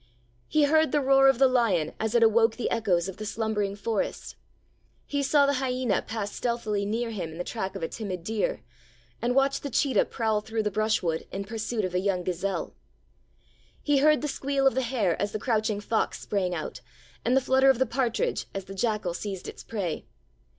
He heard the roar of the lion as it awoke the echoes of the slumbering forest. He saw the hyena pass stealthily near Him in the track of a timid deer, and watched the cheetah prowl through the brushwood in pursuit of a young gazelle. He heard the squeal of the hare as the crouching fox sprang out; and the flutter of the partridge as the jackal seized its prey.